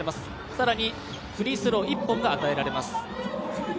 更にフリースロー１本が与えられます。